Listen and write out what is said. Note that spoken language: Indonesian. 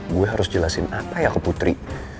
gue harus jelasin apa ya ke putri